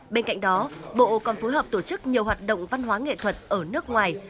bên cạnh đó bộ còn phối hợp tổ chức nhiều hoạt động văn hóa nghệ thuật ở nước ngoài